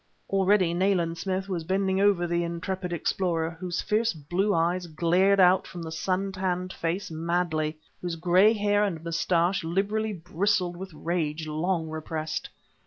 Already Nayland Smith was bending over the intrepid explorer, whose fierce blue eyes glared out from the sun tanned face madly, whose gray hair and mustache literally bristled with rage long repressed.